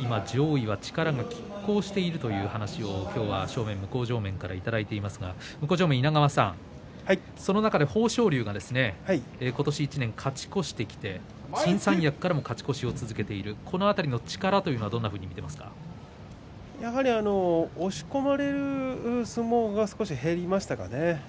今、上位は力がきっ抗しているというお話を今日は正面、向正面からいただいていますが向正面の稲川さんその中で豊昇龍が今年１年勝ち越してきて新三役からも勝ち越しを続けているこの辺りの力というのはやはり押し込まれる相撲が少し減りましたかね。